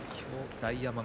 大奄美